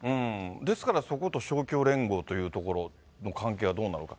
ですから、そこと勝共連合というところの関係はどうなのか。